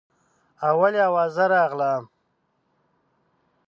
اول یې اوازه راغله.